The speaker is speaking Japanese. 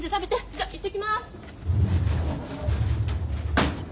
じゃ行ってきます！